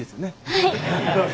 はい！